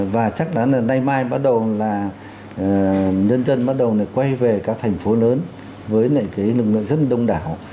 và chắc là là nay mai bắt đầu là dân dân bắt đầu quay về các thành phố lớn với lại cái lực lượng rất là đông đảo